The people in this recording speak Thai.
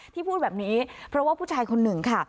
พูดแบบนี้เพราะว่าผู้ชายคนหนึ่งค่ะ